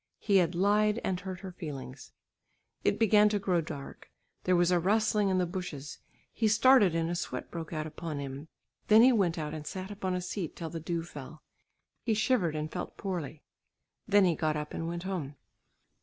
He had lied and hurt her feelings. It began to grow dark. There was a rustling in the bushes; he started and a sweat broke out upon him. Then he went out and sat upon a seat till the dew fell. He shivered and felt poorly. Then he got up and went home.